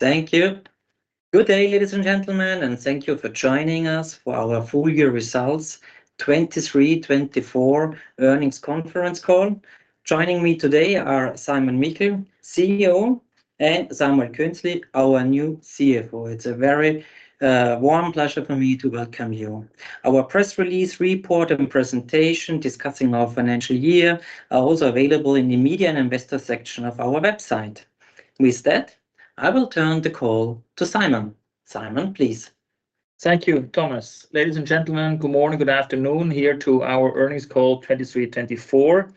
Thank you. Good day, ladies and gentlemen, and thank you for joining us for our full year results, 2023, 2024 earnings conference call. Joining me today are Simon Michel, CEO, and Samuel Künzli, our new CFO. It's a very warm pleasure for me to welcome you. Our press release report and presentation discussing our financial year are also available in the media and investor section of our website. With that, I will turn the call to Simon. Simon, please. Thank you, Thomas. Ladies and gentlemen, good morning, good afternoon here to our earnings call 2023-2024.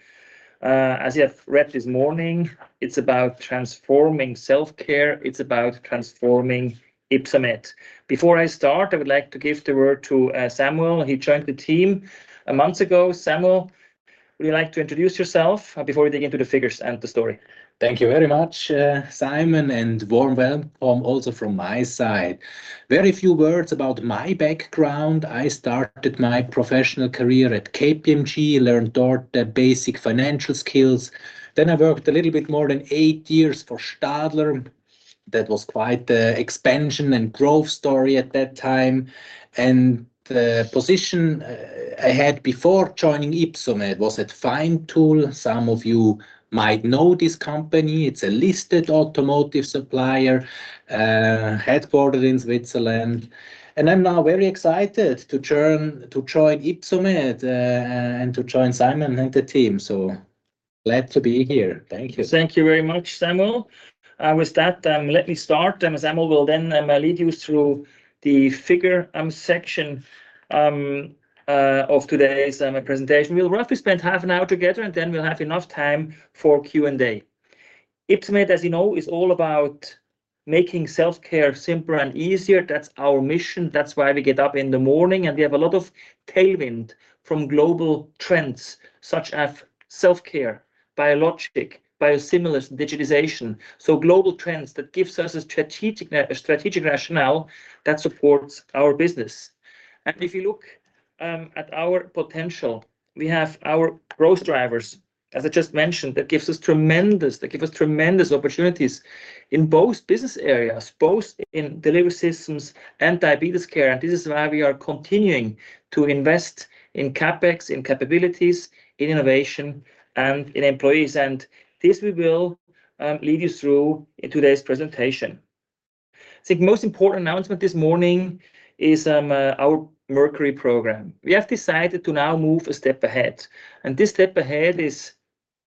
As you have read this morning, it's about transforming self-care, it's about transforming Ypsomed. Before I start, I would like to give the word to Samuel. He joined the team a month ago. Samuel, would you like to introduce yourself before we dig into the figures and the story? Thank you very much, Simon, and warm welcome also from my side. Very few words about my background. I started my professional career at KPMG, learned there the basic financial skills. Then I worked a little bit more than eight years for Stadler. That was quite the expansion and growth story at that time. And the position I had before joining Ypsomed was at Feintool. Some of you might know this company. It's a listed automotive supplier, headquartered in Switzerland. And I'm now very excited to join, to join Ypsomed, and to join Simon and the team. So glad to be here. Thank you. Thank you very much, Samuel. With that, let me start, and Samuel will then lead you through the figure section of today's presentation. We'll roughly spend half an hour together, and then we'll have enough time for Q&A. Ypsomed, as you know, is all about making self-care simpler and easier. That's our mission. That's why we get up in the morning, and we have a lot of tailwind from global trends such as self-care, biologic, biosimilars, digitization. So global trends, that gives us a strategic rationale that supports our business. And if you look at our potential, we have our growth drivers, as I just mentioned, that gives us tremendous, that give us tremendous opportunities in both business areas, both in delivery systems and diabetes care, and this is why we are continuing to invest in CapEx, in capabilities, in innovation and in employees, and this we will lead you through in today's presentation. I think most important announcement this morning is our Mercury program. We have decided to now move a step ahead, and this step ahead is,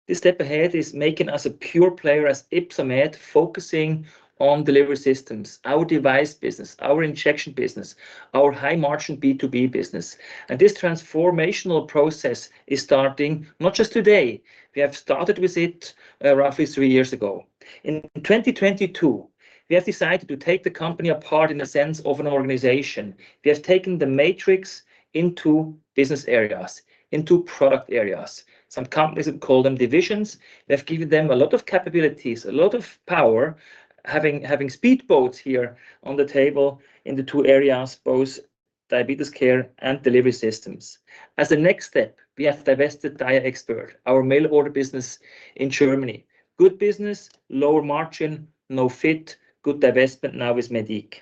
this step ahead is making us a pure player as Ypsomed, focusing on delivery systems, our device business, our injection business, our high-margin B2B business. And this transformational process is starting not just today. We have started with it roughly three years ago. In 2022, we have decided to take the company apart in a sense of an organization. We have taken the matrix into business areas, into product areas. Some companies would call them divisions. We have given them a lot of capabilities, a lot of power, having speedboats here on the table in the two areas, both diabetes care and delivery systems. As a next step, we have divested Diaexpert, our mail order business in Germany. Good business, lower margin, no fit, good divestment now with Mediq.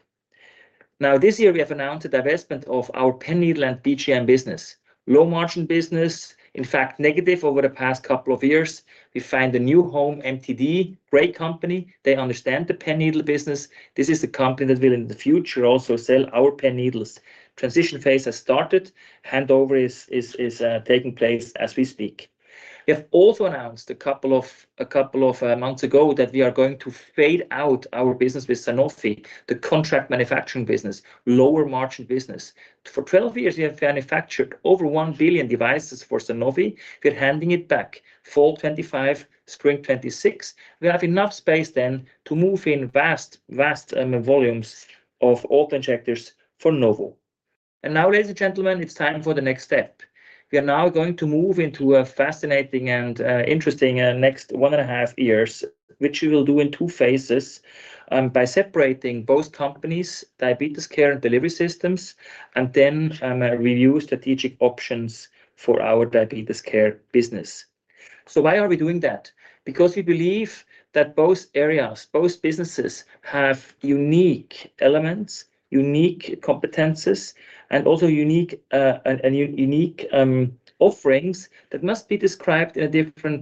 Now, this year, we have announced the divestment of our pen needle and BGM business. Low-margin business, in fact, negative over the past couple of years. We found a new home, MTD, great company. They understand the pen needle business. This is the company that will, in the future, also sell our pen needles. Transition phase has started. Handover is taking place as we speak. We have also announced a couple of months ago that we are going to fade out our business with Sanofi, the contract manufacturing business, lower-margin business. For 12 years, we have manufactured over 1 billion devices for Sanofi. We're handing it back fall 2025, spring 2026. We have enough space then to move in vast volumes of auto injectors for Novo. And now, ladies and gentlemen, it's time for the next step. We are now going to move into a fascinating and interesting next 1.5 years, which we will do in two phases by separating both companies, diabetes care and delivery systems, and then review strategic options for our diabetes care business. So why are we doing that? Because we believe that both areas, both businesses have unique elements, unique competences, and also unique offerings that must be described in a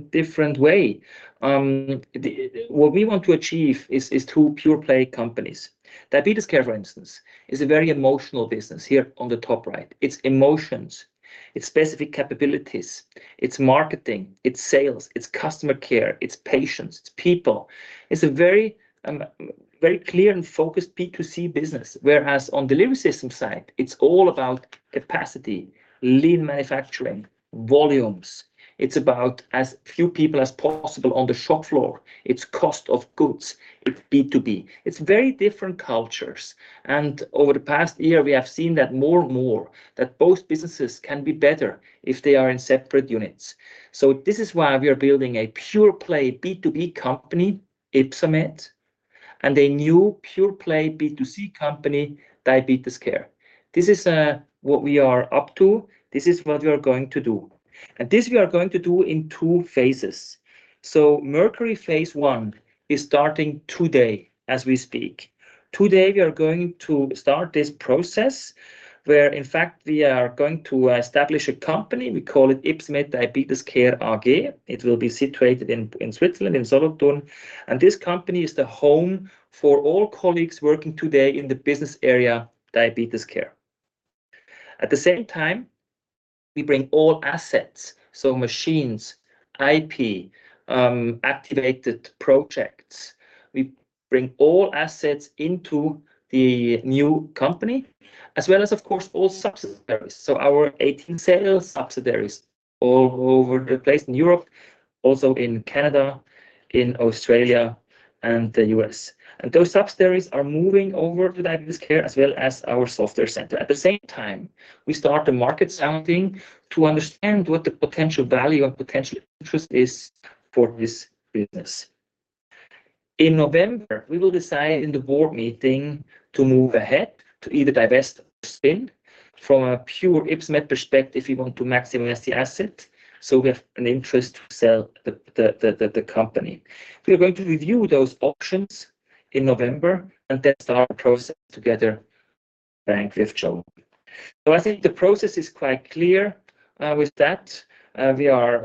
different way. What we want to achieve is two pure-play companies. Diabetes care, for instance, is a very emotional business here on the top right. It's emotions, it's specific capabilities, it's marketing, it's sales, it's customer care, it's patients, it's people. It's a very very clear and focused B2C business, whereas on delivery system side, it's all about capacity, lean manufacturing, volumes. It's about as few people as possible on the shop floor. It's cost of goods. It's B2B. It's very different cultures, and over the past year, we have seen that more and more, that both businesses can be better if they are in separate units. So this is why we are building a pure-play B2B company, Ypsomed, and a new pure-play B2C company, Diabetes Care. This is what we are up to. This is what we are going to do, and this we are going to do in two phases. So Mercury Phase One is starting today as we speak. Today, we are going to start this process where, in fact, we are going to establish a company, we call it Ypsomed Diabetes Care AG. It will be situated in Switzerland, in Solothurn, and this company is the home for all colleagues working today in the business area, diabetes care. At the same time, we bring all assets, so machines, IP, activated projects. We bring all assets into the new company, as well as, of course, all subsidiaries. So our 18 sales subsidiaries all over the place in Europe, also in Canada, in Australia, and the US. And those subsidiaries are moving over to diabetes care, as well as our software center. At the same time, we start the market sounding to understand what the potential value or potential interest is for this business. In November, we will decide in the board meeting to move ahead, to either divest or spin. From a pure Ypsomed perspective, we want to maximize the asset, so we have an interest to sell the company. We are going to review those options in November, and then start the process together with [Rothschild & Co]. So I think the process is quite clear with that. We are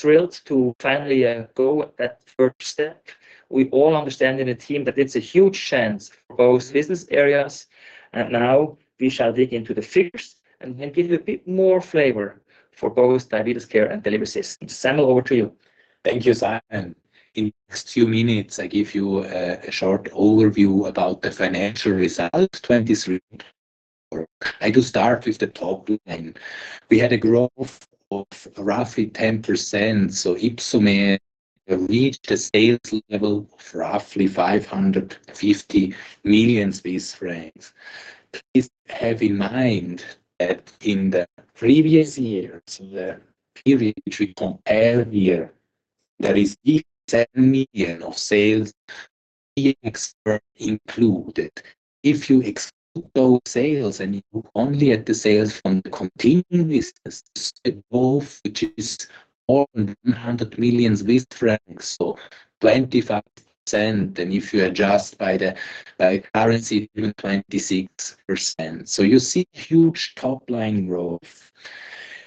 thrilled to finally go that first step. We all understand in the team that it's a huge chance for both business areas, and now we shall dig into the figures and then give you a bit more flavor for both diabetes care and delivery systems. Samuel, over to you. Thank you, Simon. In the next few minutes, I give you a short overview about the financial results 2023. I do start with the top line. We had a growth of roughly 10%, so Ypsomed reached a sales level of roughly 550 million Swiss francs. Please have in mind that in the previous years, the period which we compare here, there is 87 million of sales, the exit included. If you exclude those sales and you look only at the sales from the continuous business growth, which is more than 100 million francs, so 25%, and if you adjust by the, by currency, even 26%. So you see huge top-line growth.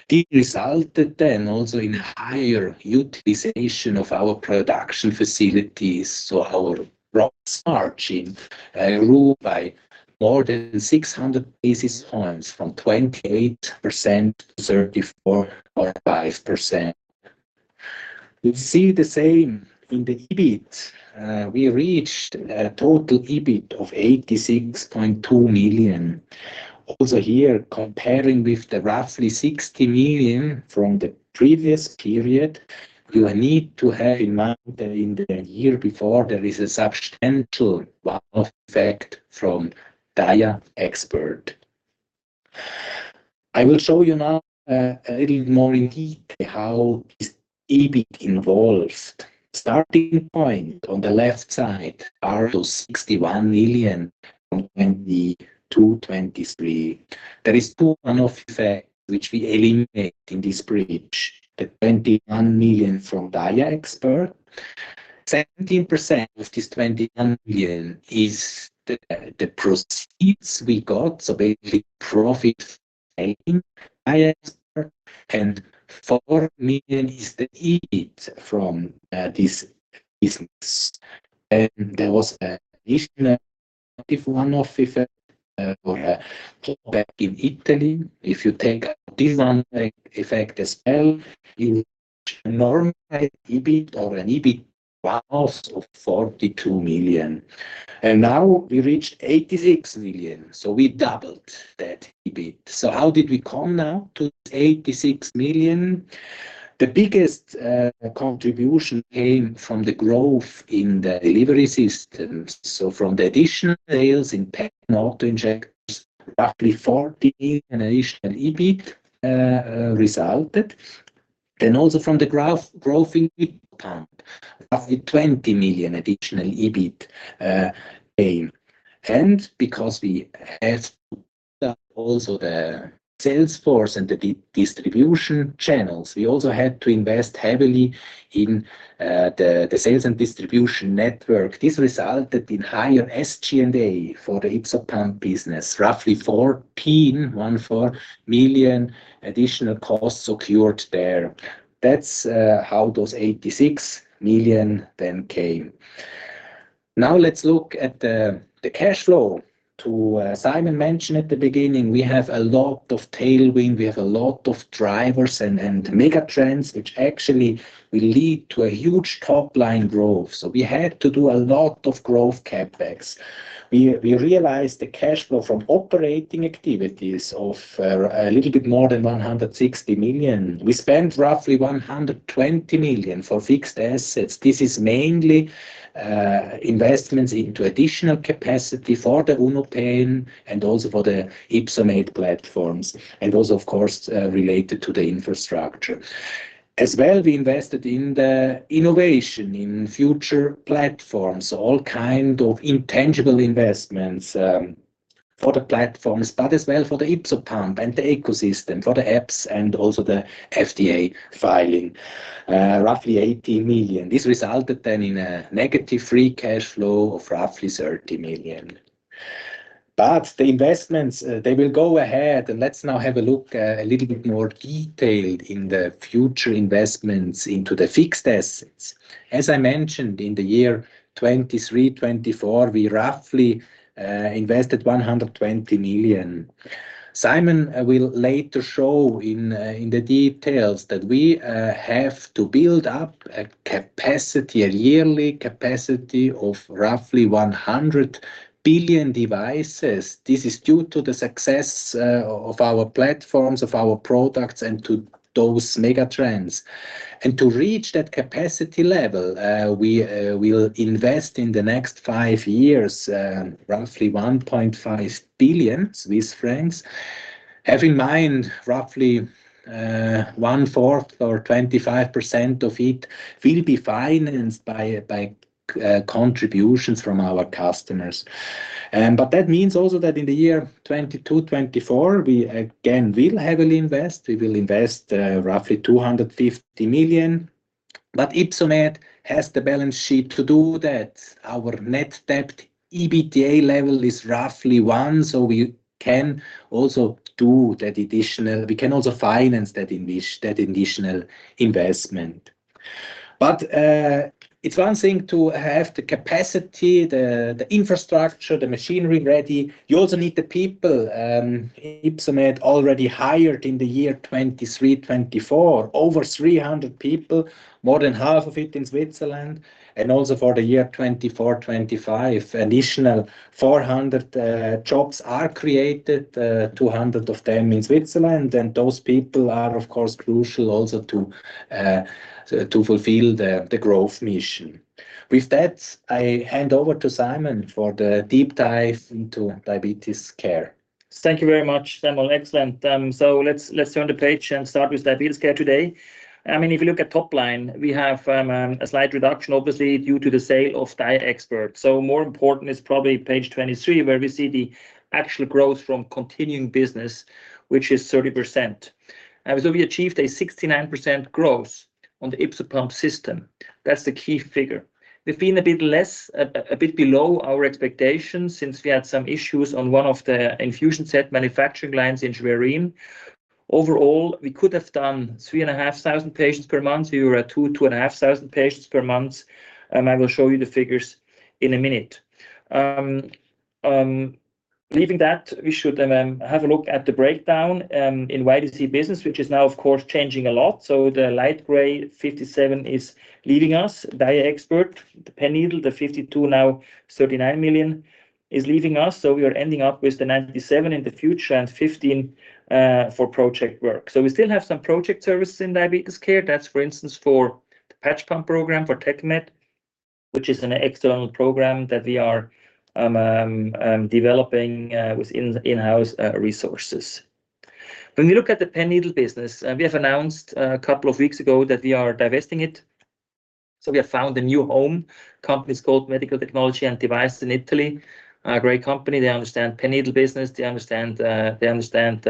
This resulted then also in higher utilization of our production facilities, so our profit margin grew by more than 600 basis points, from 28% to 34%-35%. You see the same in the EBIT. We reached a total EBIT of 86.2 million. Also here, comparing with the roughly 60 million from the previous period, you need to have in mind that in the year before, there is a substantial one-off effect from DiaExpert. I will show you now a little more in detail how this EBIT evolved. Starting point on the left side are those 61 million from 2022, 2023. There is two one-off effects which we eliminate in this bridge, the 21 million from DiaExpert. 17% of this 21 million is the proceeds we got, so basically profit making, DiaExpert, and CHF 4 million is the EBIT from this business. And there was an additional one-off effect back in Italy. If you take this one effect as well, you normalized EBIT or an EBIT loss of 42 million. And now we reached 86 million, so we doubled that EBIT. So how did we come now to 86 million? The biggest contribution came from the growth in the delivery systems. So from the additional sales in pen auto-injectors, roughly 14 million in additional EBIT resulted. Then also from the growth in EBIT, roughly CHF 20 million additional EBIT came. And because we have also the sales force and the distribution channels, we also had to invest heavily in the sales and distribution network. This resulted in higher SG&A for the YpsoPump business. Roughly 14 million additional costs occurred there. That's how those 86 million then came. Now, let's look at the cash flow. As Simon mentioned at the beginning, we have a lot of tailwind, we have a lot of drivers and mega trends, which actually will lead to a huge top-line growth. So we had to do a lot of growth CapEx. We realized the cash flow from operating activities of a little bit more than 160 million. We spent roughly 120 million for fixed assets. This is mainly investments into additional capacity for the UnoPen and also for the Ypsomed platforms, and those, of course, related to the infrastructure. As well, we invested in the innovation, in future platforms, all kind of intangible investments. for the platforms, but as well for the Ypsopump and the ecosystem, for the apps, and also the FDA filing, roughly 80 million. This resulted then in a negative free cash flow of roughly 30 million. But the investments, they will go ahead, and let's now have a look, a little bit more detailed in the future investments into the fixed assets. As I mentioned, in the year 2023, 2024, we roughly invested 120 million. Simon will later show in the details that we have to build up a capacity, a yearly capacity of roughly 100 billion devices. This is due to the success of our platforms, of our products, and to those mega trends. To reach that capacity level, we will invest in the next five years roughly 1.5 billion Swiss francs. Have in mind, roughly, one-fourth or 25% of it will be financed by contributions from our customers. But that means also that in 2022-2024, we again will heavily invest. We will invest roughly 250 million. But Ypsomed has the balance sheet to do that. Our net debt EBITDA level is roughly 1%, so we can also do that additional. We can also finance that additional investment. But it's one thing to have the capacity, the infrastructure, the machinery ready. You also need the people. Ypsomed already hired in the year 2023-2024, over 300 people, more than half of it in Switzerland, and also for the year 2024-2025, additional 400 jobs are created, 200 of them in Switzerland. And those people are, of course, crucial also to fulfill the growth mission. With that, I hand over to Simon for the deep dive into diabetes care. Thank you very much, Samuel. Excellent. So let's, let's turn the page and start with diabetes care today. I mean, if you look at top line, we have a slight reduction, obviously, due to the sale of DiaExpert. So more important is probably page 23, where we see the actual growth from continuing business, which is 30%. And so we achieved a 69% growth on the Ypsopump system. That's the key figure. We've been a bit less, a bit below our expectations since we had some issues on one of the infusion set manufacturing lines in Schwerin. Overall, we could have done 3,500 patients per month. We were at 2,000-2,500 patients per month, and I will show you the figures in a minute. Leaving that, we should have a look at the breakdown in YDC business, which is now, of course, changing a lot. So the light gray, 57 million, is leaving us. DiaExpert, the pen needle, the 52 million, now 39 million, is leaving us, so we are ending up with the 97 million in the future and 15 million for project work. So we still have some project services in diabetes care. That's, for instance, for the patch pump program for TechMed, which is an external program that we are developing with in-house resources. When we look at the pen needle business, we have announced a couple of weeks ago that we are divesting it, so we have found a new home, a company called Medical Technology and Device in Italy. A great company. They understand pen needle business. They understand, they understand,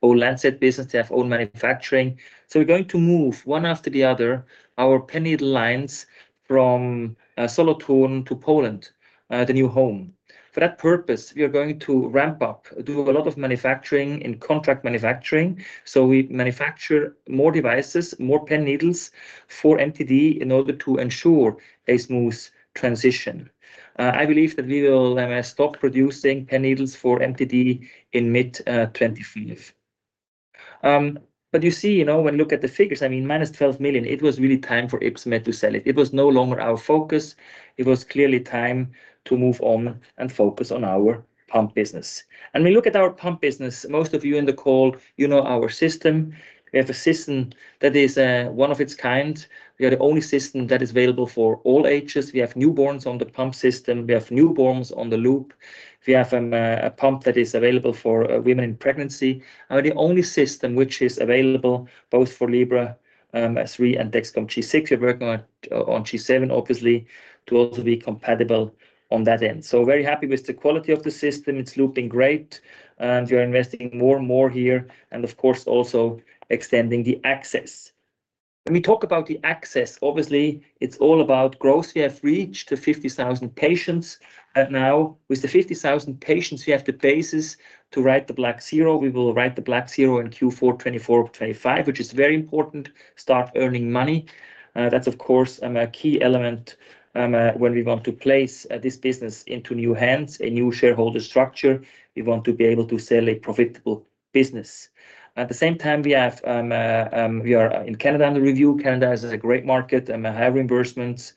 all lancet business. They have own manufacturing. So we're going to move, one after the other, our pen needle lines from, Solothurn to Poland, the new home. For that purpose, we are going to ramp up, do a lot of manufacturing in contract manufacturing, so we manufacture more devices, more pen needles for MTD in order to ensure a smooth transition. I believe that we will stop producing pen needles for MTD in mid-2025. But you see, you know, when you look at the figures, I mean, -12 million, it was really time for Ypsomed to sell it. It was no longer our focus. It was clearly time to move on and focus on our pump business. And we look at our pump business, most of you on the call, you know our system. We have a system that is one of its kind. We are the only system that is available for all ages. We have newborns on the pump system. We have newborns on the loop. We have a pump that is available for women in pregnancy, and the only system which is available both for Libre 3 and Dexcom G6. We're working on G7, obviously, to also be compatible on that end. So very happy with the quality of the system. It's looking great, and we are investing more and more here, and of course, also extending the access. When we talk about the access, obviously, it's all about growth. We have reached the 50,000 patients, and now with the 50,000 patients, we have the basis to write the black zero. We will write the black zero in Q4 2024, 2025, which is very important. Start earning money. That's of course a key element when we want to place this business into new hands, a new shareholder structure. We want to be able to sell a profitable business. At the same time, we have, we are in Canada under review. Canada is a great market, high reimbursements.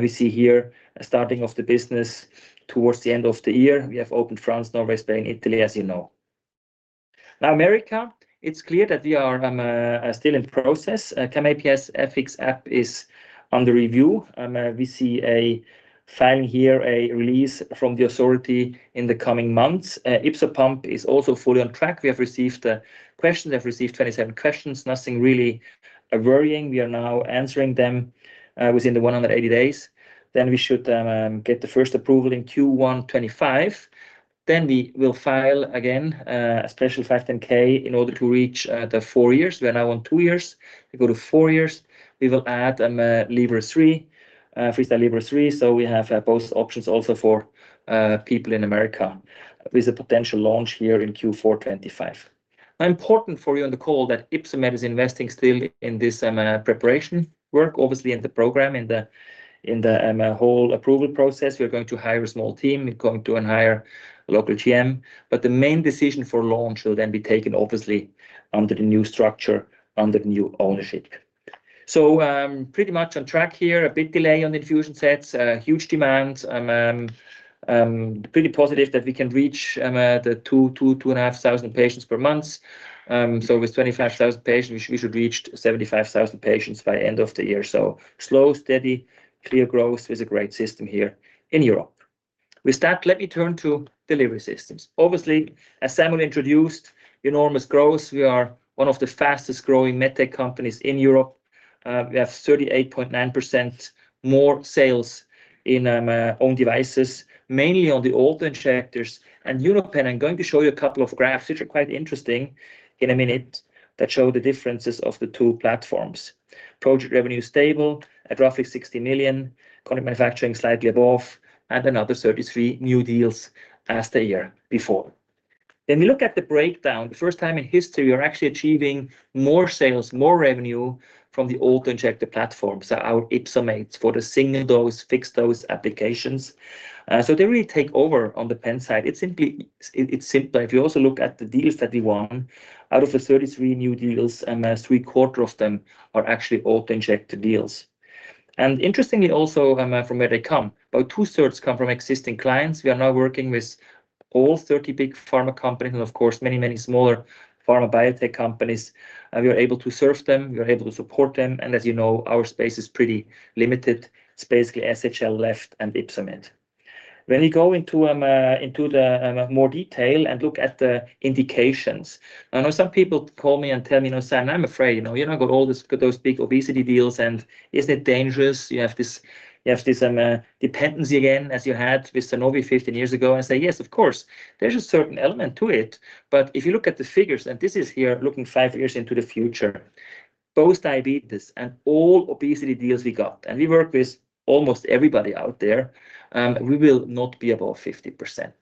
We see here a starting of the business towards the end of the year. We have opened France, Norway, Spain, Italy, as you know. Now, America, it's clear that we are still in process. CamAPS FX app is under review. We see a filing here, a release from the authority in the coming months. Ypsopump is also fully on track. We have received questions. We have received 27 questions. Nothing really worrying. We are now answering them within the 180 days. Then we should get the first approval in Q1 2025, then we will file again a special 510(k) in order to reach the four years. We are now on two years, we go to four years. We will add Libre 3, Freestyle Libre 3, so we have both options also for people in America, with a potential launch here in Q4 2025. Important for you on the call, that Ypsomed is investing still in this preparation work, obviously in the program, in the whole approval process. We're going to hire a small team, we're going to hire a local GM, but the main decision for launch will then be taken, obviously, under the new structure, under the new ownership. So, pretty much on track here, a big delay on infusion sets, huge demand. Pretty positive that we can reach the 2,000-2,500 patients per month. So with 25,000 patients, we should reach 75,000 patients by end of the year. So slow, steady, clear growth is a great system here in Europe. With that, let me turn to delivery systems. Obviously, as Samuel introduced, enormous growth. We are one of the fastest growing MedTech companies in Europe. We have 38.9% more sales in our own devices, mainly on the auto injectors and UnoPen. I'm going to show you a couple of graphs, which are quite interesting, in a minute, that show the differences of the two platforms. Project revenue stable at roughly 60 million, current manufacturing slightly above, and another 33 new deals as the year before. Then we look at the breakdown. The first time in history, we are actually achieving more sales, more revenue from the auto-injector platform. So our YpsoMate for the single-dose, fixed-dose applications. So they really take over on the pen side. It's simply, it's simpler. If you also look at the deals that we won, out of the 33 new deals, three-quarters of them are actually auto-injector deals. And interestingly, also, from where they come, about two-thirds come from existing clients. We are now working with all 30 big pharma companies, and of course, many, many smaller pharma biotech companies. And we are able to serve them, we are able to support them, and as you know, our space is pretty limited. It's basically SHL left and Ypsomed. When we go into more detail and look at the indications. I know some people call me and tell me, "You know, Sam, I'm afraid, you know, you now got all those big obesity deals, and is it dangerous? You have this dependency again, as you had with Sanofi 15 years ago?" I say, "Yes, of course, there's a certain element to it," but if you look at the figures, and this is here looking 5 years into the future, both diabetes and all obesity deals we got, and we work with almost everybody out there, we will not be above 50%.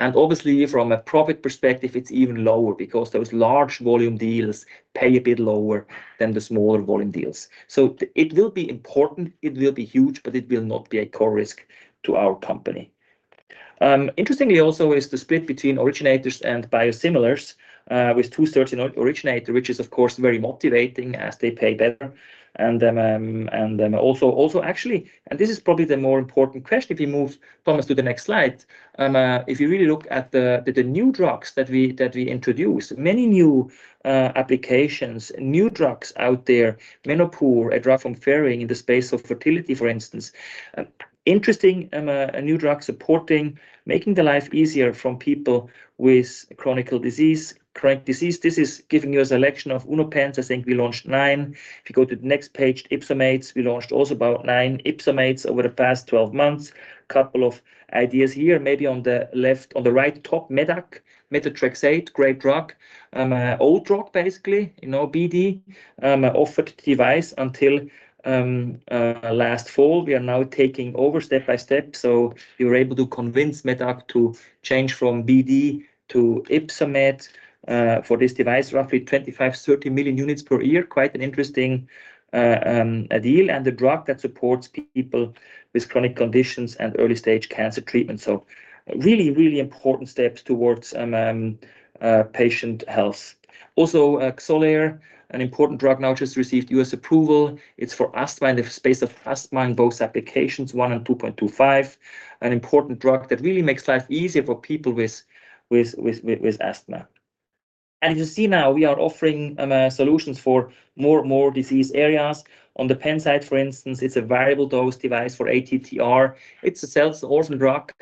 Obviously, from a profit perspective, it's even lower because those large volume deals pay a bit lower than the smaller volume deals. So it will be important, it will be huge, but it will not be a core risk to our company. Interestingly, also is the split between originators and biosimilars, with two-thirds in originator, which is, of course, very motivating as they pay better. And actually, and this is probably the more important question, if you move Thomas, to the next slide. If you really look at the new drugs that we introduced, many new applications, new drugs out there, Menopur at Genotropin, Pfizer in the space of fertility, for instance. Interesting new drug supporting, making the life easier from people with chronic disease. This is giving you a selection of UnoPens. I think we launched nine. If you go to the next page, YpsoMate, we launched also about nine Ypsomeds over the past twelve months. Couple of ideas here, maybe on the left, on the right top, Medac, Methotrexate, great drug. Old drug, basically, you know, BD offered device until last fall. We are now taking over step by step, so we were able to convince Medac to change from BD to Ypsomed. For this device, roughly 25-30 million units per year. Quite an interesting deal, and the drug that supports people with chronic conditions and early-stage cancer treatment. So really, really important steps towards patient health. Also, Xolair, an important drug, now just received U.S. approval. It's for asthma in the space of asthma in both applications, 1 and 2.25. An important drug that really makes life easier for people with asthma. You see now we are offering solutions for more disease areas. On the pen side, for instance, it's a variable dose device for ATTR. It's a cells orphan drug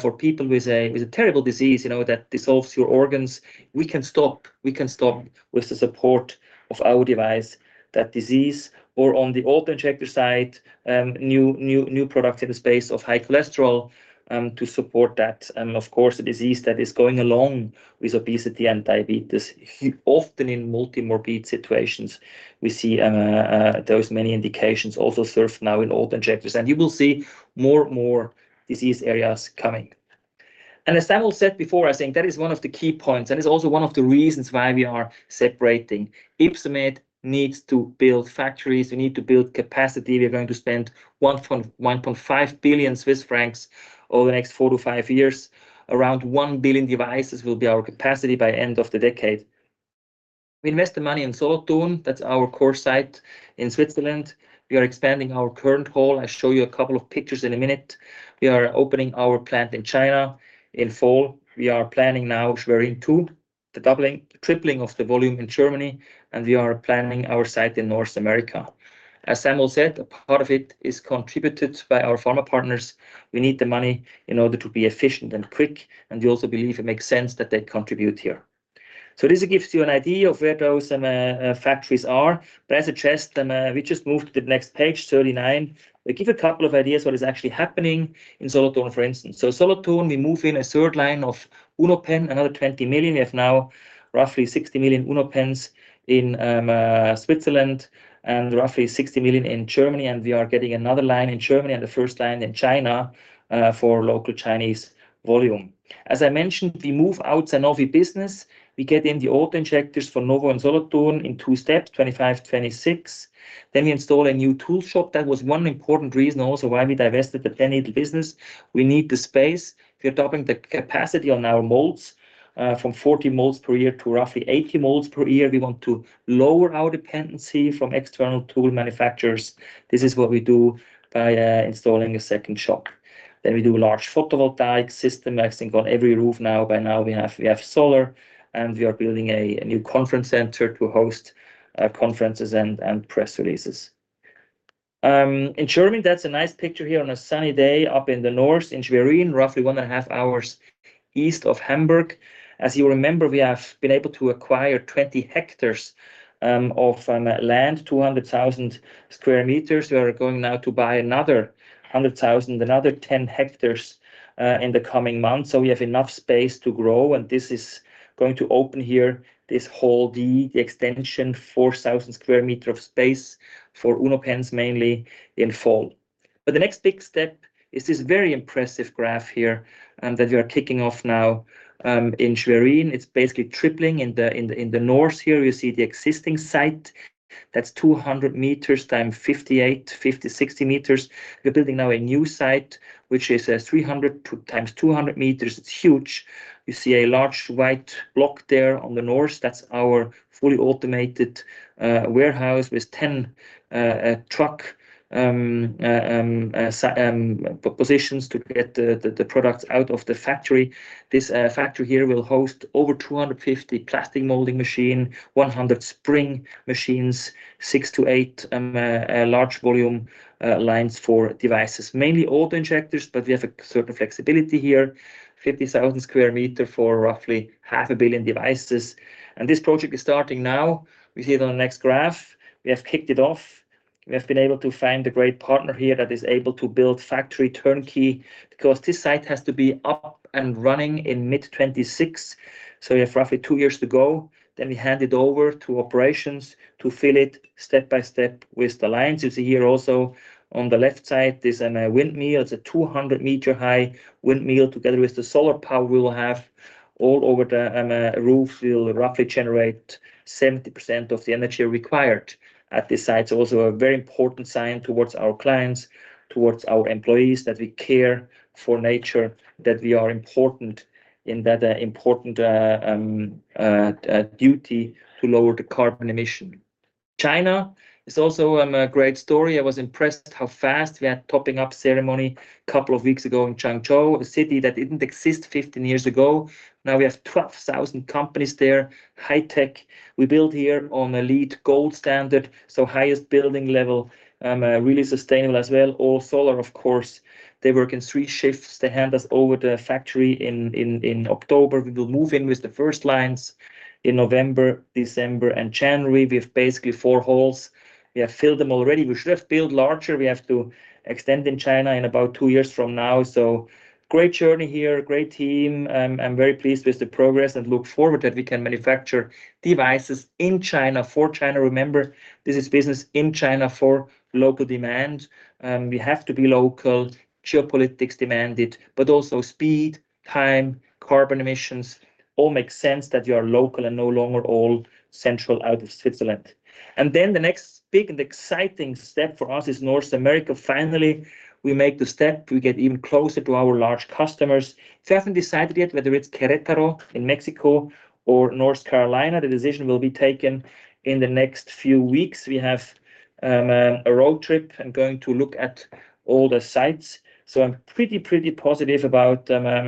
for people with a terrible disease, you know, that dissolves your organs. We can stop with the support of our device, that disease. Or on the auto injector side, new products in the space of high cholesterol to support that. And of course, a disease that is going along with obesity and diabetes, often in multi-morbid situations, we see those many indications also served now in auto injectors, and you will see more and more disease areas coming. As Samuel said before, I think that is one of the key points, and it's also one of the reasons why we are separating. Ypsomed needs to build factories, we need to build capacity. We are going to spend 1.1 billion-1.5 billion Swiss francs over the next four to five years. Around 1 billion devices will be our capacity by end of the decade. We invest the money in Solothurn, that's our core site in Switzerland. We are expanding our current hall. I'll show you a couple of pictures in a minute. We are opening our plant in China in fall. We are planning now Schwerin 2, the doubling-tripling of the volume in Germany, and we are planning our site in North America. As Samuel said, a part of it is contributed by our pharma partners. We need the money in order to be efficient and quick, and we also believe it makes sense that they contribute here.... So this gives you an idea of where those factories are. But as I suggested, we just move to the next page, 39. I give a couple of ideas what is actually happening in Solothurn, for instance. So Solothurn, we move in a third line of Unopen, another 20 million. We have now roughly 60 million Unopens in Switzerland, and roughly 60 million in Germany, and we are getting another line in Germany and the first line in China, for local Chinese volume. As I mentioned, we move out Sanofi business. We get in the auto injectors for Novo and Solothurn in two steps, 2025, 2026. Then we install a new tool shop. That was one important reason also why we divested the pen needle business. We need the space. We are doubling the capacity on our molds, from 40 molds per year to roughly 80 molds per year. We want to lower our dependency from external tool manufacturers. This is what we do by installing a second shop. Then we do large photovoltaic system. I think on every roof now, by now, we have solar, and we are building a new conference center to host conferences and press releases. In Germany, that's a nice picture here on a sunny day up in the north, in Schwerin, roughly 1.5 hours east of Hamburg. As you remember, we have been able to acquire 20 hectares of land, 200,000 sq m. We are going now to buy another 100,000, another 10 hectares, in the coming months, so we have enough space to grow, and this is going to open here, this Hall D, the extension, 4,000 sq m of space for Unopens, mainly in fall. But the next big step is this very impressive graph here, that we are kicking off now, in Schwerin. It's basically tripling in the north here, you see the existing site. That's 200 m times 58 m, 50 m, 60 m. We're building now a new site, which is, 300 times 200 m. It's huge. You see a large white block there on the north. That's our fully automated, warehouse with 10 truck positions to get the products out of the factory. This factory here will host over 250 plastic molding machine, 100 spring machines, 6-8 large volume lines for devices. Mainly auto-injectors, but we have a certain flexibility here, 50,000 square meter for roughly 500 million devices, and this project is starting now. We see it on the next graph. We have kicked it off. We have been able to find a great partner here that is able to build factory turnkey, because this site has to be up and running in mid-2026, so we have roughly two years to go. Then we hand it over to operations to fill it step by step with the lines. You see here also on the left side, there's a windmill. It's a 200 m high windmill. Together with the solar power, we will have all over the roof, we will roughly generate 70% of the energy required at this site. Also a very important sign towards our clients, towards our employees, that we care for nature, that we are important in that important duty to lower the carbon emission. China is also a great story. I was impressed how fast we had topping-out ceremony a couple of weeks ago in Changzhou, a city that didn't exist 15 years ago. Now, we have 12,000 companies there, high tech. We build here on a LEED Gold standard, so highest building level, really sustainable as well. All solar, of course. They work in three shifts. They hand us over the factory in October. We will move in with the first lines in November, December and January. We have basically 4 halls. We have filled them already. We should have built larger. We have to extend in China in about two years from now. Great journey here, great team, I'm very pleased with the progress and look forward that we can manufacture devices in China for China. Remember, this is business in China for local demand, we have to be local, geopolitics demand it, but also speed, time, carbon emissions, all makes sense that you are local and no longer all central out of Switzerland. Then the next big and exciting step for us is North America. Finally, we make the step, we get even closer to our large customers. We haven't decided yet whether it's Querétaro in Mexico or North Carolina. The decision will be taken in the next few weeks. We have a road trip. I'm going to look at all the sites, so I'm pretty positive about the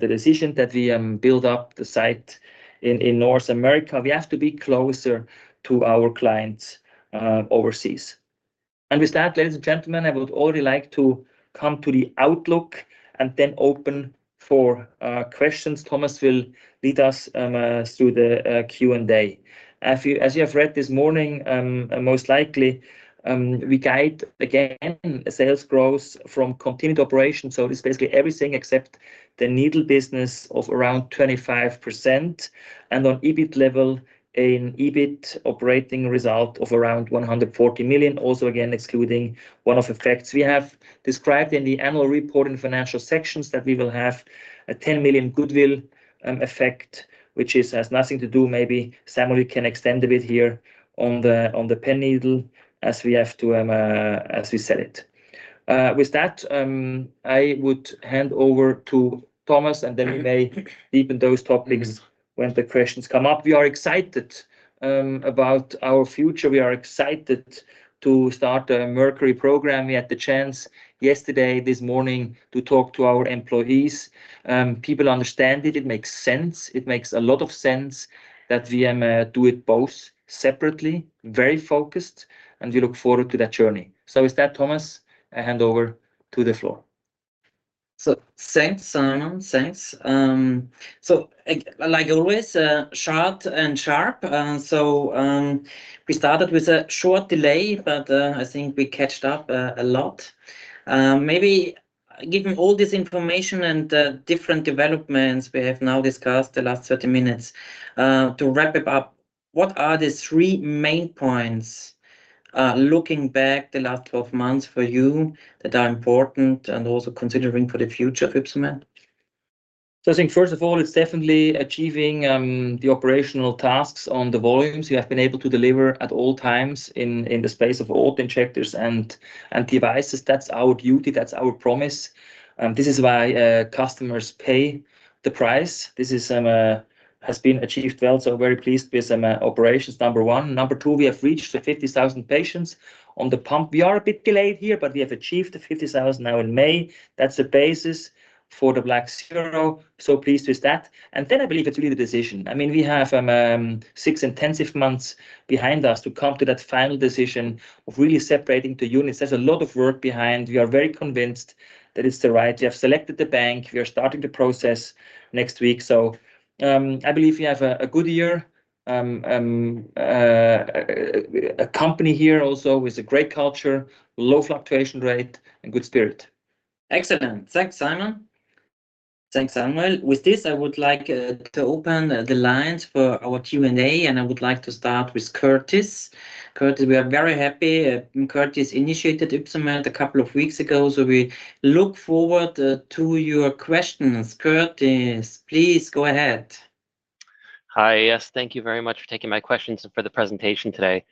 decision that we build up the site in North America. We have to be closer to our clients overseas. And with that, ladies and gentlemen, I would already like to come to the outlook and then open for questions. Thomas will lead us through the Q&A. As you have read this morning, most likely, we guide again sales growth from continued operation. So it's basically everything except the needle business of around 25%, and on EBIT level, an EBIT operating result of around 140 million. Also, again, excluding one-off effects. We have described in the annual report in financial sections that we will have a 10 million goodwill effect, which has nothing to do. Maybe Samuel can extend a bit here on the pen needle as we have to as we sell it. With that, I would hand over to Thomas, and then we may deepen those topics when the questions come up. We are excited about our future. We are excited to start the Mercury program. We had the chance yesterday, this morning, to talk to our employees. People understand it. It makes sense. It makes a lot of sense that we do it both separately, very focused, and we look forward to that journey. So with that, Thomas, I hand over to the floor.... So thanks, Simon. Thanks. Like always, short and sharp. So, we started with a short delay, but I think we catched up a lot. Maybe given all this information and the different developments we have now discussed the last 30 minutes, to wrap it up, what are the three main points looking back the last 12 months for you that are important and also considering for the future of Ypsomed? So I think first of all, it's definitely achieving the operational tasks on the volumes we have been able to deliver at all times in the space of auto injectors and devices. That's our duty, that's our promise, and this is why customers pay the price. This has been achieved well, so very pleased with some operations, number one. Number two, we have reached the 50,000 patients on the pump. We are a bit delayed here, but we have achieved the 50,000 now in May. That's the basis for the Black Zero, so pleased with that. And then I believe it's really the decision. I mean, we have six intensive months behind us to come to that final decision of really separating the units. There's a lot of work behind. We are very convinced that it's the right. We have selected the bank. We are starting the process next week, so I believe we have a good year. A company here also with a great culture, low fluctuation rate, and good spirit. Excellent. Thanks, Simon. Thanks, Samuel. With this, I would like to open the lines for our Q&A, and I would like to start with Curtis. Curtis, we are very happy. Curtis initiated Ypsomed a couple of weeks ago, so we look forward to your questions. Curtis, please go ahead. Hi, yes, thank you very much for taking my questions and for the presentation today.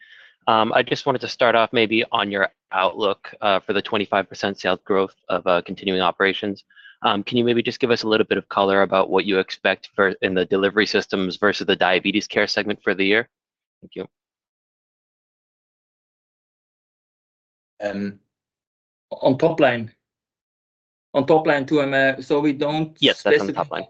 I just wanted to start off maybe on your outlook, for the 25% sales growth of continuing operations. Can you maybe just give us a little bit of color about what you expect for in the delivery systems versus the diabetes care segment for the year? Thank you. On top line? On top line, too, so we don't specifically- Yes, that's on top line.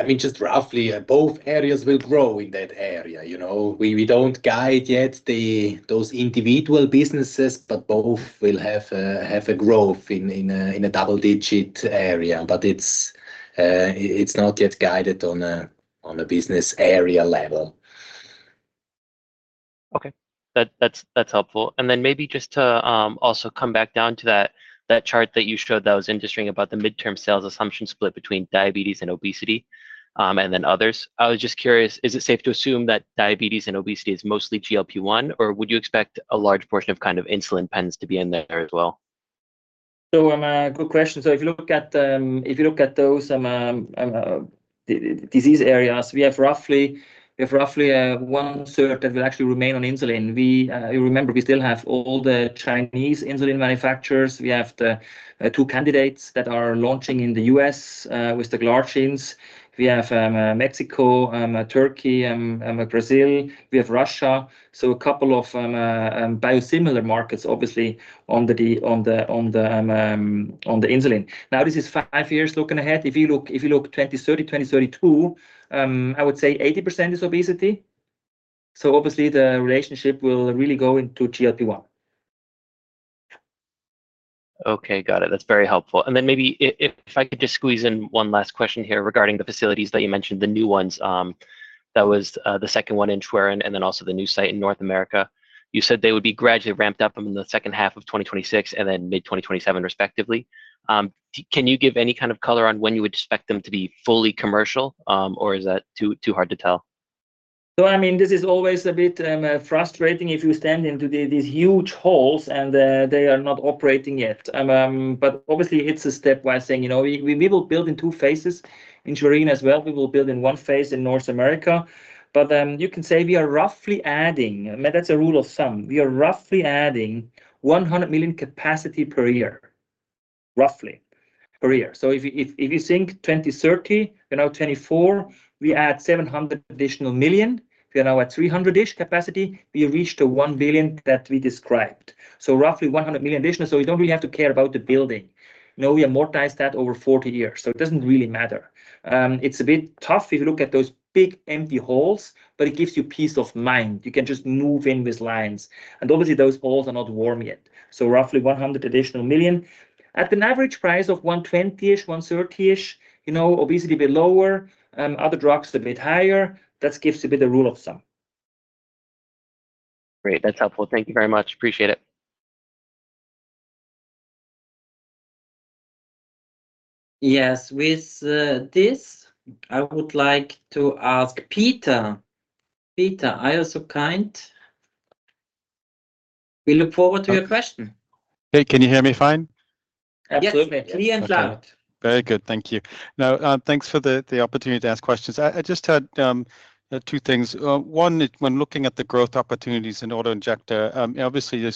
I mean, just roughly, both areas will grow in that area. You know, we don't guide yet those individual businesses, but both will have a growth in a double-digit area, but it's not yet guided on a business area level. Okay. That's helpful. And then maybe just to also come back down to that chart that you showed that was interesting about the midterm sales assumption split between diabetes and obesity, and then others. I was just curious, is it safe to assume that diabetes and obesity is mostly GLP-1, or would you expect a large portion of kind of insulin pens to be in there as well? So, good question. If you look at those disease areas, we have roughly one-third that will actually remain on insulin. You remember, we still have all the Chinese insulin manufacturers. We have the 2 candidates that are launching in the U.S. with the glargines. We have Mexico, Turkey, Brazil, we have Russia. So a couple of biosimilar markets, obviously on the insulin. Now, this is five years looking ahead. If you look 2030, 2032, I would say 80% is obesity, so obviously the relationship will really go into GLP-1. Okay, got it. That's very helpful. And then maybe if, if I could just squeeze in one last question here regarding the facilities that you mentioned, the new ones, that was the second one in Thun, and then also the new site in North America. You said they would be gradually ramped up in the second half of 2026 and then mid-2027, respectively. Can you give any kind of color on when you would expect them to be fully commercial, or is that too, too hard to tell? So, I mean, this is always a bit frustrating if you stand into these huge halls and they are not operating yet. But obviously, it's a stepwise thing. You know, we will build in two phases in Schwerin as well. We will build in one phase in North America. But you can say we are roughly adding, but that's a rule of sum. We are roughly adding 100 million capacity per year, roughly per year. So if you think 2030, we're now 2024, we add 700 additional million. We are now at 300-ish capacity. We reached the 1 billion that we described, so roughly 100 million additional, so we don't really have to care about the building. You know, we amortize that over 40 years, so it doesn't really matter. It's a bit tough if you look at those big, empty halls, but it gives you peace of mind. You can just move in with lines, and obviously, those halls are not warm yet. So roughly 100 million additional at an average price of 120-ish, 130-ish, you know, obviously a bit lower, other drugs a bit higher. That gives a bit the rule of sum. Great, that's helpful. Thank you very much. Appreciate it. Yes, with this, I would like to ask Peter. Peter, are you so kind? We look forward to your question. Hey, can you hear me fine? Absolutely. Yes, clear and loud. Very good. Thank you. Now, thanks for the opportunity to ask questions. I just had two things. One, when looking at the growth opportunities in auto injector, obviously,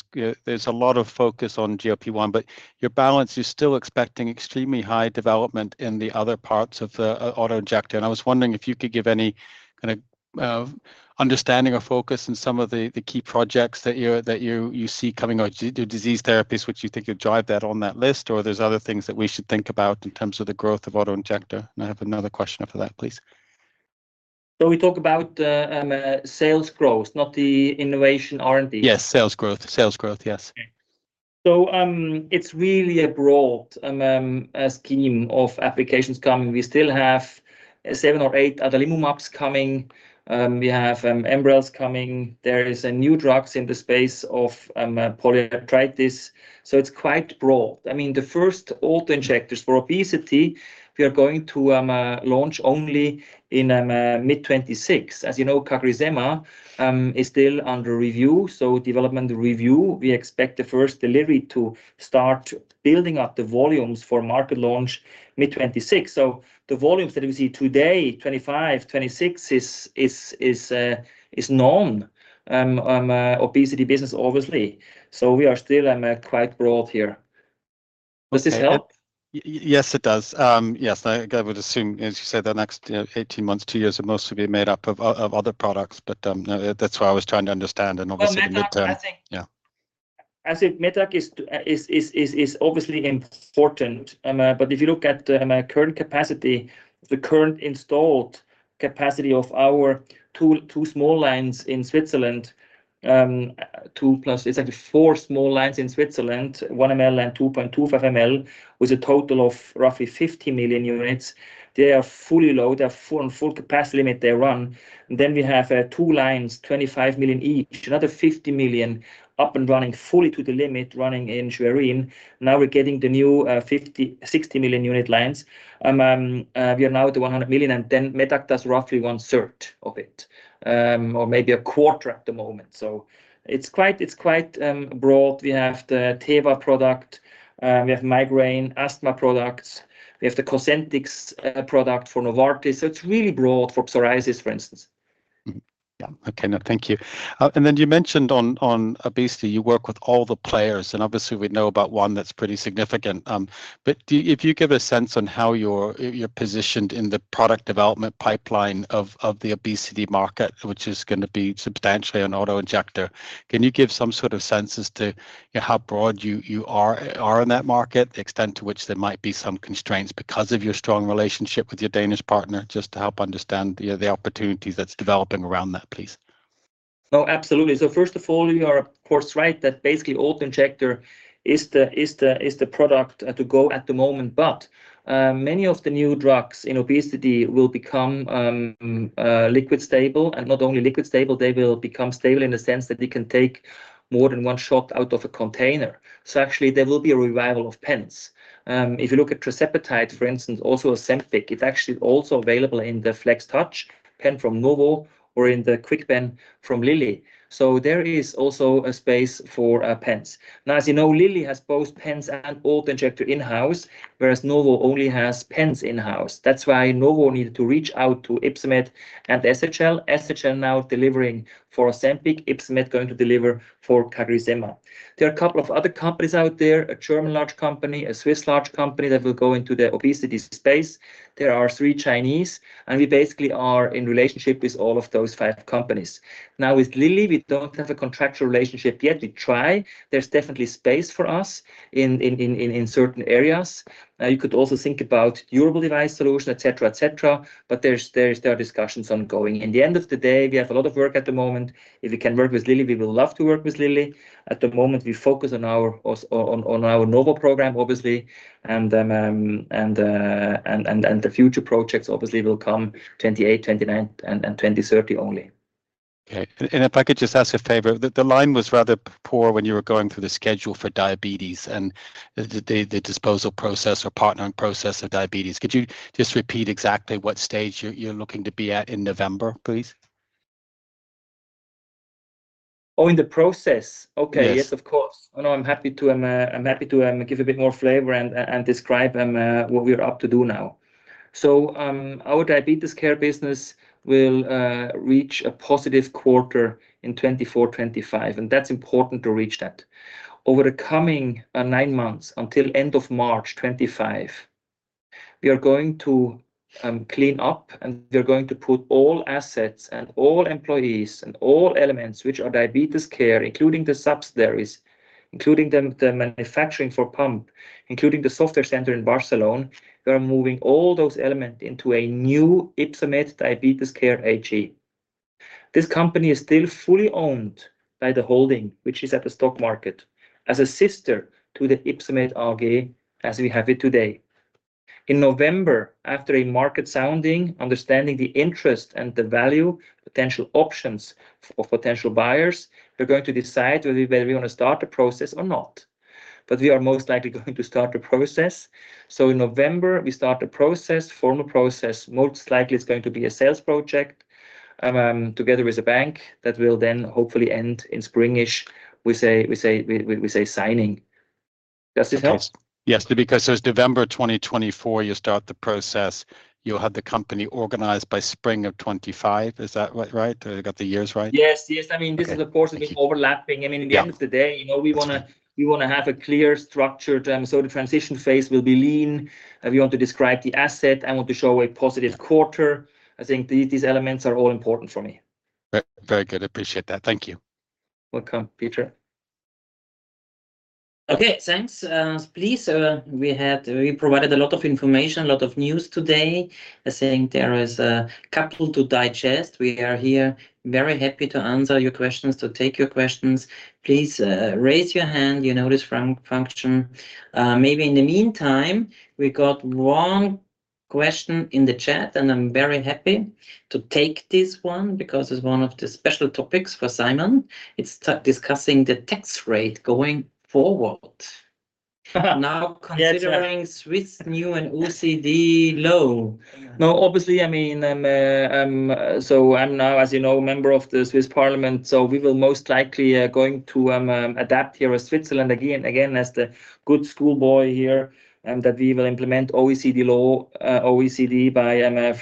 there's a lot of focus on GLP-1, but your balance is still expecting extremely high development in the other parts of the auto injector. And I was wondering if you could give any kind of understanding or focus in some of the key projects that you see coming out, disease therapies which you think could drive that on that list, or there's other things that we should think about in terms of the growth of auto injector. And I have another question after that, please. ... So we talk about sales growth, not the innovation R&D? Yes, sales growth. Sales growth, yes. So, it's really a broad scheme of applications coming. We still have seven or eight adalimumabs coming. We have Enbrels coming. There is a new drugs in the space of polyarthritis, so it's quite broad. I mean, the first auto injectors for obesity, we are going to launch only in mid-2026. As you know, CagriSema is still under review, so development review. We expect the first delivery to start building up the volumes for market launch mid-2026. So the volumes that we see today, 2025, 2026, is known obesity business obviously. So we are still quite broad here. Does this help? Yes, it does. Yes, I would assume, as you said, the next, you know, 18 months, two years are mostly be made up of other products. But, that's what I was trying to understand and obviously- Well, Medac, I think- Yeah. I think Medac is obviously important, but if you look at current capacity, the current installed capacity of our two small lines in Switzerland, it's actually four small lines in Switzerland, one ML and 2.2 ML, with a total of roughly 50 million units. They are fully loaded. They are full, on full capacity limit, they run. Then we have two lines, 25 million each, another 50 million up and running, fully to the limit, running in Schwerin. Now we're getting the new 50-60 million unit lines. We are now at the 100 million, and then Medac does roughly one third of it, or maybe a quarter at the moment. So it's quite broad. We have the Teva product, we have migraine, asthma products. We have the Cosentyx product for Novartis, so it's really broad for psoriasis, for instance. Mm-hmm. Yeah. Okay, now, thank you. And then you mentioned on obesity, you work with all the players, and obviously we know about one that's pretty significant. But do you... If you give a sense on how you're positioned in the product development pipeline of the obesity market, which is gonna be substantially on auto injector, can you give some sort of sense as to, you know, how broad you are in that market? The extent to which there might be some constraints because of your strong relationship with your Danish partner, just to help understand the opportunities that's developing around that, please. Oh, absolutely. So first of all, you are of course right that basically auto-injector is the product to go at the moment. But many of the new drugs in obesity will become liquid stable, and not only liquid stable, they will become stable in the sense that they can take more than one shot out of a container. So actually, there will be a revival of pens. If you look at tirzepatide, for instance, also Ozempic, it's actually also available in the FlexTouch pen from Novo or in the KwikPen from Lilly. So there is also a space for pens. Now, as you know, Lilly has both pens and auto-injector in-house, whereas Novo only has pens in-house. That's why Novo needed to reach out to Ypsomed and SHL. SHL are now delivering for Ozempic, Ypsomed going to deliver for CagriSema. There are a couple of other companies out there, a German large company, a Swiss large company, that will go into the obesity space. There are three Chinese, and we basically are in relationship with all of those five companies. Now, with Lilly, we don't have a contractual relationship yet. We try. There's definitely space for us in certain areas. You could also think about durable device solution, et cetera, et cetera, but there are discussions ongoing. In the end of the day, we have a lot of work at the moment. If we can work with Lilly, we will love to work with Lilly. At the moment, we focus on our o... On our Novo program, obviously, and the future projects obviously will come 2028, 2029 and 2030 only. Okay. And if I could just ask a favor, the line was rather poor when you were going through the schedule for diabetes and the disposal process or partnering process of diabetes. Could you just repeat exactly what stage you're looking to be at in November, please? Oh, in the process? Okay. Yes. Yes, of course. Oh, no, I'm happy to give a bit more flavor and describe what we are up to do now. So, our diabetes care business will reach a positive quarter in 2024, 2025, and that's important to reach that. Over the coming nine months, until end of March 2025, we are going to clean up, and we are going to put all assets and all employees and all elements which are diabetes care, including the subsidiaries, including the manufacturing for pump, including the software center in Barcelona. We are moving all those elements into a new Ypsomed Diabetes Care AG. This company is still fully owned by the holding, which is at the stock market, as a sister to the Ypsomed AG as we have it today. In November, after a market sounding, understanding the interest and the value, potential options for potential buyers, we're going to decide whether we want to start the process or not. But we are most likely going to start the process, so in November, we start the process, formal process. Most likely, it's going to be a sales project, together with a bank, that will then hopefully end in spring-ish, we say signing. Does this help? Yes, because so it's November 2024, you'll start the process. You'll have the company organized by spring of 2025. Is that right? I got the years right? Yes, yes. Okay. I mean, this is of course, overlapping. Yeah. I mean, at the end of the day, you know, we wanna- That's right... we wanna have a clear structure, so the transition phase will be lean. We want to describe the asset and want to show a positive quarter. I think these elements are all important for me. Very good. Appreciate that. Thank you. Welcome, Peter.... Okay, thanks. Please, we had, we provided a lot of information, a lot of news today. I think there is a couple to digest. We are here very happy to answer your questions, to take your questions. Please, raise your hand, you know this function. Maybe in the meantime, we got one question in the chat, and I'm very happy to take this one, because it's one of the special topics for Simon. It's discussing the tax rate going forward. Yeah. Now, considering Swiss new and OECD law. No, obviously, I mean, I'm so I'm now, as you know, a member of the Swiss Parliament, so we will most likely going to adapt here as Switzerland again, as the good school boy here, and that we will implement OECD law, OECD by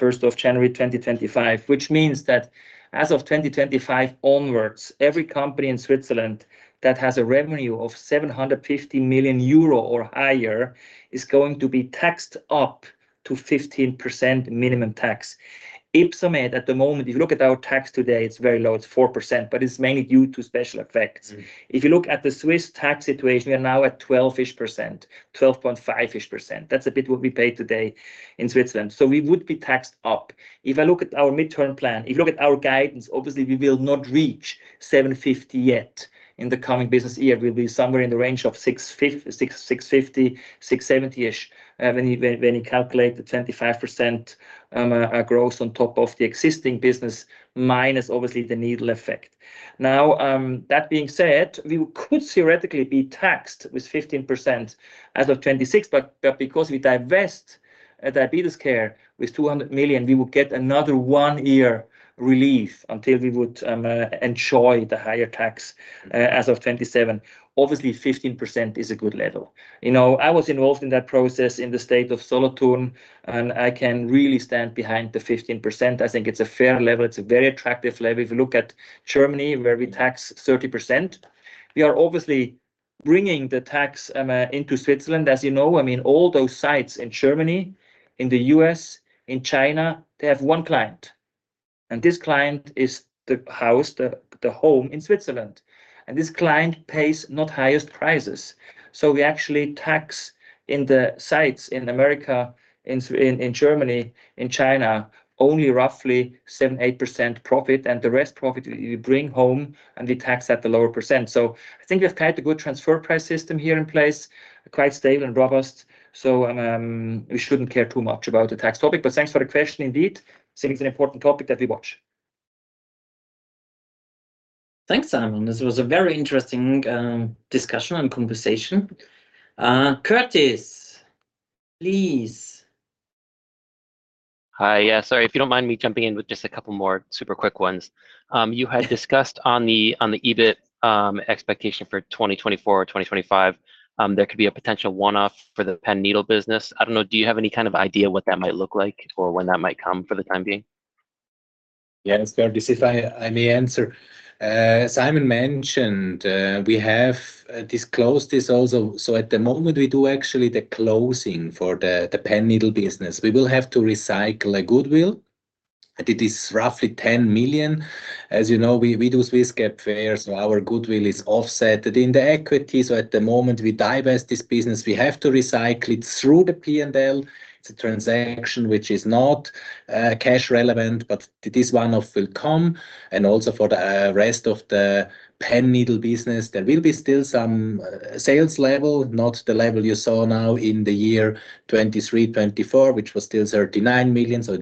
1st of January 2025. Which means that as of 2025 onwards, every company in Switzerland that has a revenue of 750 million euro or higher is going to be taxed up to 15% minimum tax. Ypsomed, at the moment, if you look at our tax today, it's very low, it's 4%, but it's mainly due to special effects. If you look at the Swiss tax situation, we are now at 12%, 12.5%. That's a bit what we pay today in Switzerland, so we would be taxed up. If I look at our midterm plan, if you look at our guidance, obviously we will not reach 750 million yet in the coming business year. We'll be somewhere in the range of 650 million, 670-ish, when you calculate the 25% growth on top of the existing business, minus obviously the needle effect. Now, that being said, we could theoretically be taxed with 15% as of 2026, but because we divest diabetes care with 200 million, we will get another one-year relief until we would enjoy the higher tax as of 2027. Obviously, 15% is a good level. You know, I was involved in that process in the state of Solothurn, and I can really stand behind the 15%. I think it's a fair level, it's a very attractive level. If you look at Germany, where we tax 30%, we are obviously bringing the tax into Switzerland, as you know. I mean, all those sites in Germany, in the U.S., in China, they have one client, and this client is the house, the home in Switzerland, and this client pays not highest prices. So we actually tax in the sites in America, in Germany, in China, only roughly 7%-8% profit, and the rest profit we bring home and we tax at the lower percent. So I think we have quite a good transfer price system here in place, quite stable and robust. So we shouldn't care too much about the tax topic, but thanks for the question, indeed. I think it's an important topic that we watch. Thanks, Simon. This was a very interesting discussion and conversation. Curtis, please. Hi. Yeah, sorry, if you don't mind me jumping in with just a couple more super quick ones. You had discussed on the EBIT expectation for 2024, 2025, there could be a potential one-off for the pen needle business. I don't know, do you have any kind of idea what that might look like or when that might come for the time being? Yes, Curtis, if I may answer. Simon mentioned, we have disclosed this also. So at the moment, we do actually the closing for the pen needle business. We will have to recycle a goodwill, and it is roughly 10 million. As you know, we do Swiss GAAP FER, so our goodwill is offset in the equity. So at the moment, we divest this business, we have to recycle it through the P&L. It's a transaction which is not cash relevant, but it is one of will come. And also for the rest of the pen needle business, there will be still some sales level, not the level you saw now in the year 2023, 2024, which was still 39 million. So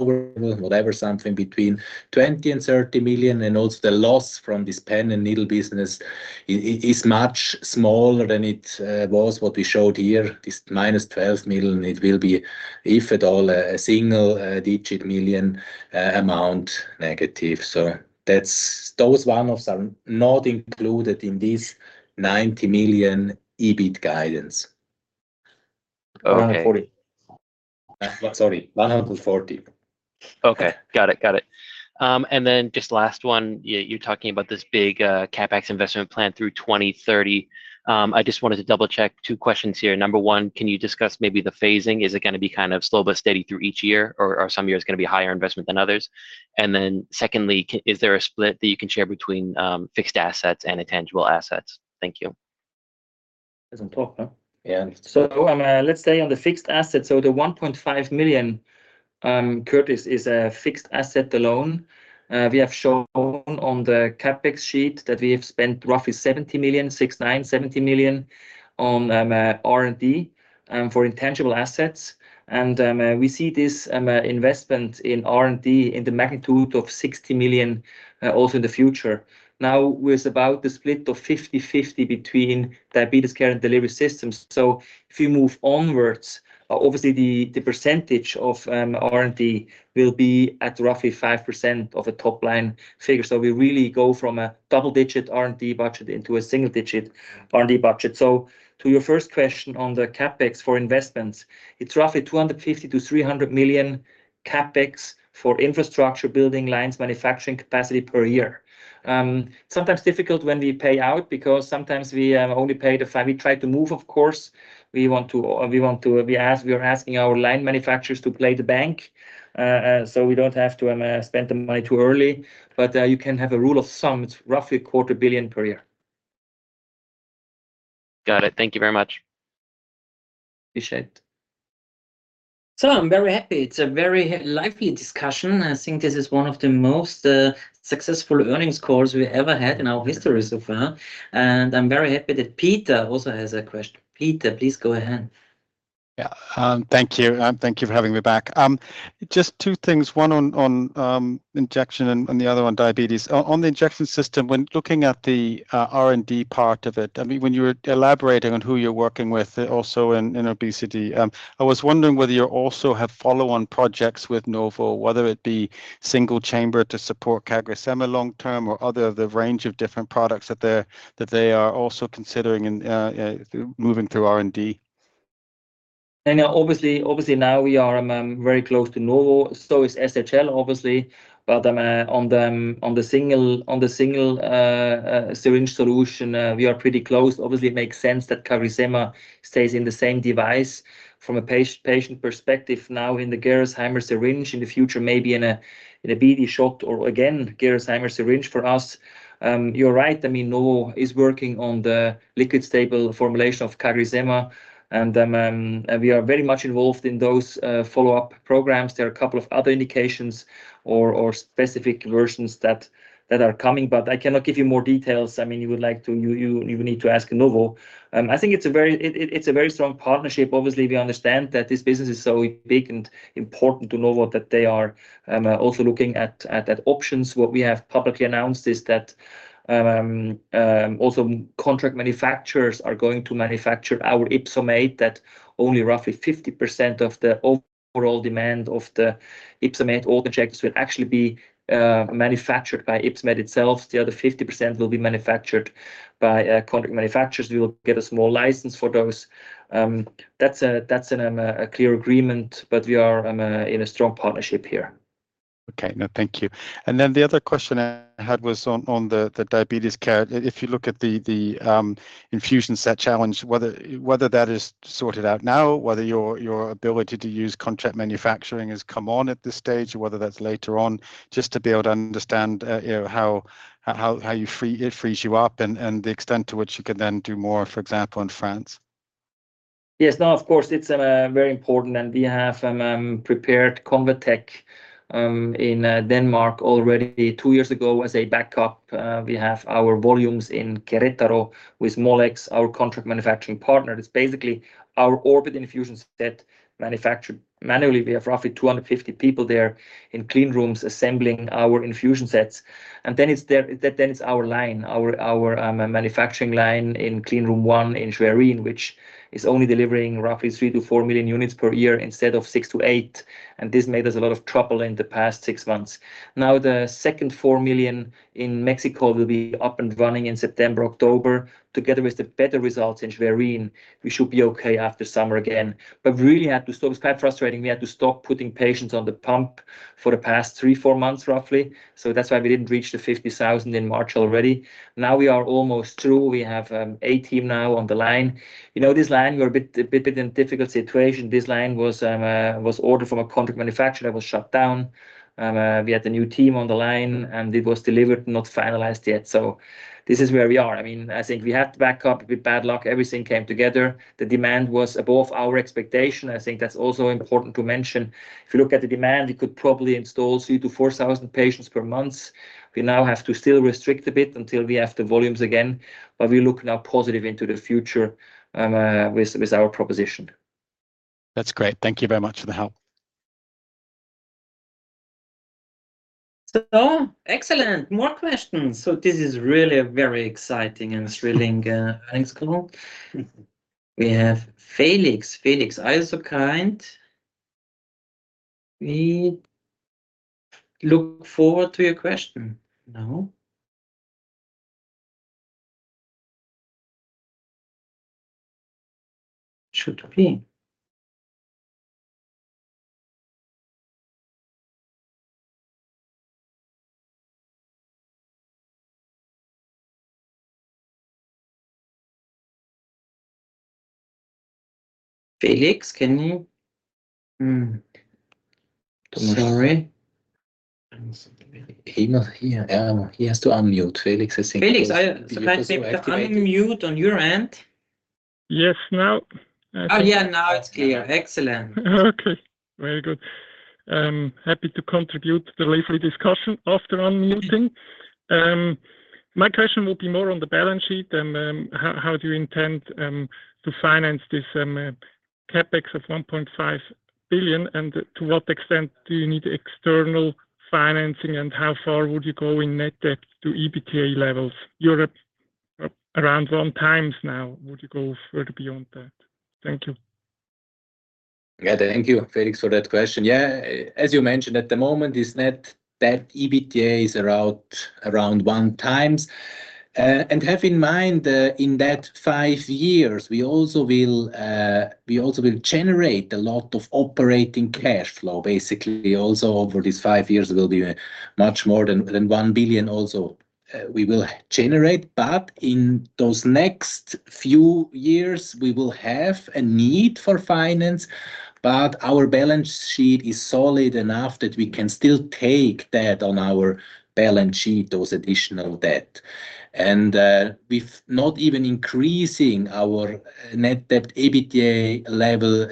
it will, whatever, something between 20 million and 30 million. Also the loss from this pen and needle business is much smaller than it was. What we showed here, this -12 million, it will be, if at all, a single-digit million negative amount. So those one-offs are not included in this 90 million EBIT guidance. Okay. 140. Sorry, 140. Okay, got it. Got it. And then just last one. You're talking about this big CapEx investment plan through 2030. I just wanted to double-check two questions here. Number one, can you discuss maybe the phasing? Is it gonna be kind of slow but steady through each year, or some years gonna be higher investment than others? And then secondly, is there a split that you can share between fixed assets and intangible assets? Thank you. Doesn't talk, huh? Yeah. So, let's say on the fixed asset, so the 1.5 million, Curtis, is a fixed asset alone. We have shown on the CapEx sheet that we have spent roughly 70 million, 69 million, 70 million on R&D for intangible assets. And we see this investment in R&D in the magnitude of 60 million also in the future. Now, with about the split of 50/50 between diabetes care and delivery systems, so if you move onwards, obviously the percentage of R&D will be at roughly 5% of the top line figure. So we really go from a double-digit R&D budget into a single-digit R&D budget. So to your first question on the CapEx for investments, it's roughly 250 million-300 million CapEx for infrastructure, building lines, manufacturing capacity per year. Sometimes difficult when we pay out, because sometimes we only pay the f—we try to move. Of course, we want to—we are asking our line manufacturers to play the bank, so we don't have to spend the money too early. But, you can have a rule of thumb, it's roughly 250 million per year. Got it. Thank you very much. Appreciate. I'm very happy. It's a very lively discussion. I think this is one of the most successful earnings calls we ever had in our history so far, and I'm very happy that Peter also has a question. Peter, please go ahead. Yeah, thank you, and thank you for having me back. Just two things, one on injection and the other on diabetes. On the injection system, when looking at the R&D part of it, I mean, when you were elaborating on who you're working with also in obesity, I was wondering whether you also have follow-on projects with Novo, whether it be single-chamber to support CagriSema long-term or other of the range of different products that they are also considering and moving through R&D? Obviously now we are very close to Novo, so is SHL, obviously. But on the single syringe solution, we are pretty close. Obviously, it makes sense that CagriSema stays in the same device from a patient perspective now in the Gerresheimer syringe, in the future, maybe in a BD shot or again, Gerresheimer syringe for us. You're right, I mean, Novo is working on the liquid stable formulation of CagriSema, and we are very much involved in those follow-up programs. There are a couple of other indications or specific versions that are coming, but I cannot give you more details. I mean, you would like to... You need to ask Novo. I think it's a very strong partnership. Obviously, we understand that this business is so big and important to Novo that they are also looking at options. What we have publicly announced is that also contract manufacturers are going to manufacture our YpsoMate, that only roughly 50% of the overall demand of the YpsoMate objects will actually be manufactured by Ypsomed itself. The other 50% will be manufactured by contract manufacturers. We will get a small license for those. That's a clear agreement, but we are in a strong partnership here. Okay. No, thank you. And then the other question I had was on the diabetes care. If you look at the infusion set challenge, whether that is sorted out now, whether your ability to use contract manufacturing has come on at this stage, or whether that's later on, just to be able to understand, you know, how it frees you up and the extent to which you can then do more, for example, in France. Yes. No, of course, it's very important, and we have prepared Convatec in Denmark already two years ago as a backup. We have our volumes in Querétaro with Molex, our contract manufacturing partner. It's basically our Orbit infusion set manufactured manually. We have roughly 250 people there in clean rooms, assembling our infusion sets. And then it's our manufacturing line in clean room one in Schwerin, which is only delivering roughly 3-4 million units per year instead of 6-8 million, and this made us a lot of trouble in the past six months. Now, the second 4 million in Mexico will be up and running in September, October. Together with the better results in Schwerin, we should be okay after summer again, but we really had to... It was quite frustrating. We had to stop putting patients on the pump for the past three to four months, roughly. That's why we didn't reach the 50,000 in March already. Now we are almost through. We have a team now on the line. You know, this line, we are a bit in a difficult situation. This line was ordered from a contract manufacturer that was shut down. We had the new team on the line, and it was delivered, not finalized yet. This is where we are. I mean, I think we had to back up with bad luck. Everything came together. The demand was above our expectation. I think that's also important to mention. If you look at the demand, it could probably install 3,000-4,000 patients per month. We now have to still restrict a bit until we have the volumes again, but we look now positive into the future, with our proposition. That's great. Thank you very much for the help. So excellent. More questions. So this is really a very exciting and thrilling earnings call. We have Felix. Felix, are you so kind? We look forward to your question now. Should appear. Felix, can you... sorry. He not here. Yeah, he has to unmute, Felix, I think. Felix, unmute on your end. Yes, now? Oh, yeah, now it's clear. Excellent. Okay, very good. Happy to contribute to the lively discussion after unmuting. My question will be more on the balance sheet than how do you intend to finance this CapEx of 1.5 billion, and to what extent do you need external financing, and how far would you go in net debt to EBITDA levels? You're around 4x now. Would you go further beyond that? Thank you. Yeah, thank you, Felix, for that question. Yeah, as you mentioned, at the moment, this net debt EBITDA is around 1x. And have in mind, in that five years, we also will generate a lot of operating cash flow. Basically, also over these five years, it will be much more than 1 billion, we will generate, but in those next few years, we will have a need for finance, but our balance sheet is solid enough that we can still take that on our balance sheet, those additional debt. And, with not even increasing our net debt EBITDA level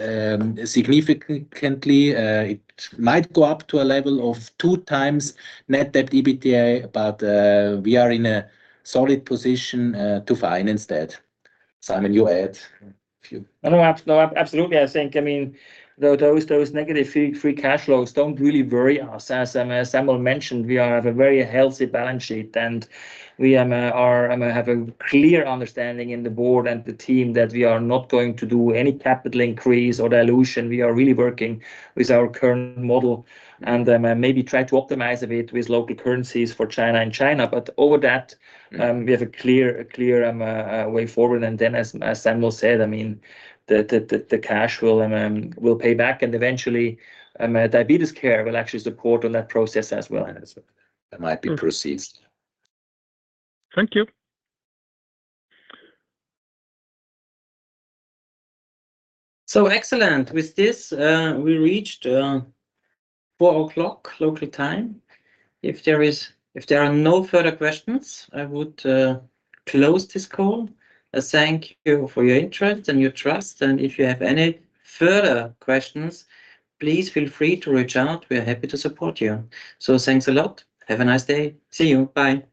significantly, it might go up to a level of 2x net debt EBITDA, but we are in a solid position to finance that. Simon, you add a few. No, no, absolutely. I think, I mean, those negative free cash flows don't really worry us. As Samuel mentioned, we are at a very healthy balance sheet, and we have a clear understanding in the board and the team that we are not going to do any capital increase or dilution. We are really working with our current model, and maybe try to optimize a bit with local currencies for China. But over that, we have a clear way forward, and then as Samuel said, I mean, the cash will pay back, and eventually diabetes care will actually support on that process as well. That might be proceeds. Thank you. So excellent. With this, we reached four o'clock local time. If there are no further questions, I would close this call. Thank you for your interest and your trust, and if you have any further questions, please feel free to reach out. We are happy to support you. So thanks a lot. Have a nice day. See you. Bye.